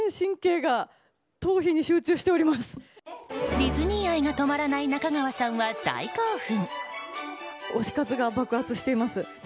ディズニー愛が止まらない中川さんは大興奮。